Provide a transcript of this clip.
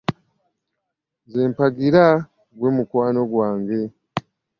Nze mpagira gwe mukwano gwange.